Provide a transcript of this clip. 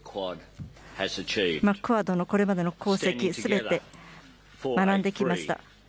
クアッドのこれまでの功績すべて学んできました。